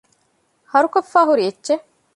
ހަރުކޮށްފައިހުރި އެއްޗެއް